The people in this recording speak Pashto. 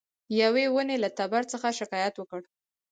یوې ونې له تبر څخه شکایت وکړ.